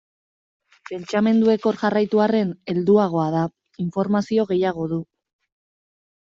Pentsamenduek hor jarraitu arren, helduagoa da, informazio gehiago du.